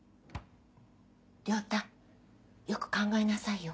良太よく考えなさいよ。